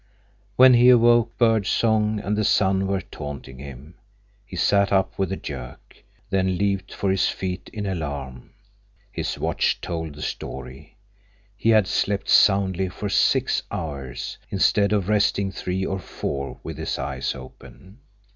When he awoke, bird song and the sun were taunting him. He sat up with a jerk, then leaped to his feet in alarm. His watch told the story. He had slept soundly for six hours, instead of resting three or four with his eyes open.